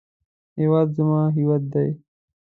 هیواد زما هویت دی